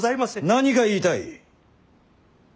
何が言いたい。